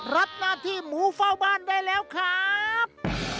รับหน้าที่หมูเฝ้าบ้านได้แล้วครับ